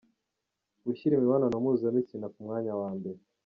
Gushyira imibonano mpuzabitsina ku mwanya wa mbere.